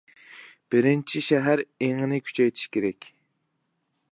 بىرىنچى، شەھەر ئېڭىنى كۈچەيتىش كېرەك.